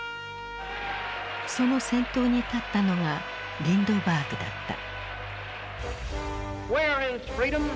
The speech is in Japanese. その先頭に立ったのがリンドバーグだった。